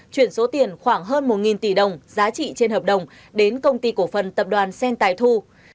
chuyển số tiền khoảng hơn một tỷ đồng giá trị trên hợp đồng đến công ty cổ phần tập đoàn sen tài thu